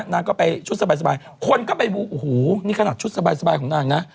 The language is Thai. นางก็ไปชุดสบายคนก็ไปบูโอ้โหนี่ขนาดชุดสบายของนางนะ